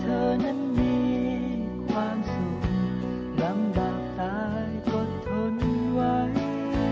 เห็นเธอนั้นมีความสุขน้ำดาบตายก็ทนไว้